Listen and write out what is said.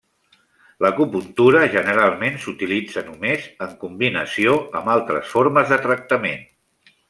L'acupuntura generalment s'utilitza només en combinació amb altres formes de tractament.